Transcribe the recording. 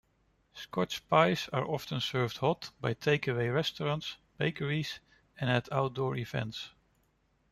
Scotch pies are often served hot by take-away restaurants, bakeries and at outdoor events.